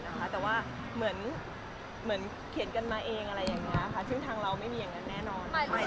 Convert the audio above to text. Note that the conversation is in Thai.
แต่ว่าเหมือนเขียนกันมาเองซึ่งทางเราไม่มีอย่างนั้นแน่นอน